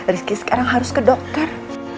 rizky sekarang harus ke dokter